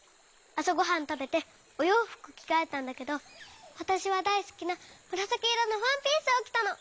あさごはんたべておようふくきがえたんだけどわたしはだいすきなむらさきいろのワンピースをきたの。